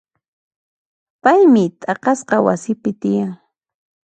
Paymi t'aqasqa wasipi tiyan.